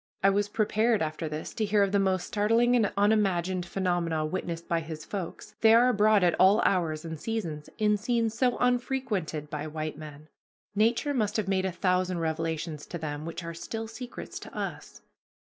I was prepared after this to hear of the most startling and unimagined phenomena witnessed by "his folks," they are abroad at all hours and seasons in scenes so unfrequented by white men. Nature must have made a thousand revelations to them which are still secrets to us.